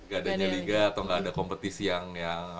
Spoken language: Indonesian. gak adanya liga atau nggak ada kompetisi yang